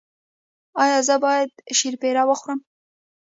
ایا زه باید شیرپیره وخورم؟